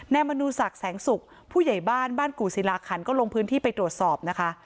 มนูศักดิ์แสงสุกผู้ใหญ่บ้านบ้านกู่ศิลาขันก็ลงพื้นที่ไปตรวจสอบนะคะ